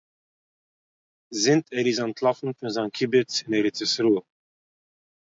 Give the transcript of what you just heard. זינט ער איז אנטלאפן פון זיין קיבוץ אין ארץ ישראל